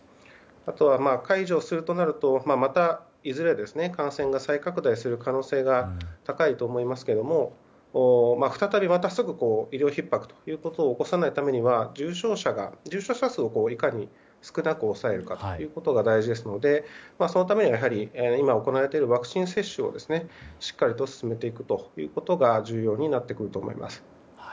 あとは解除するとなるとまた、いずれ感染が再拡大する可能性が高いと思いますけども再びまた医療ひっ迫ということを起こさないためには重症者数を、いかに少なく抑えるかということが大事ですのでそのためには、今行われているワクチン接種をしっかり進めていくということが重要になってくると思います。